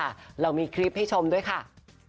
เรามีคลิปให้ชมด้วยค่ะ